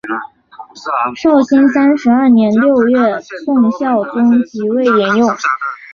绍兴三十二年六月宋孝宗即位沿用。